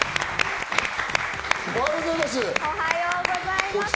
おはようございます。